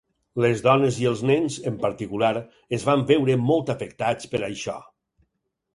Les dones i els nens, en particular, es van veure molt afectats per això.